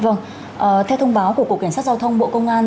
vâng theo thông báo của cổ kiển sát giao thông bộ công an